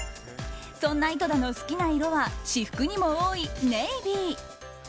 そんな井戸田の好きな色は私服にも多いネイビー。